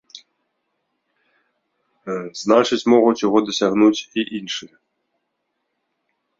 Значыць, могуць яго дасягнуць і іншыя.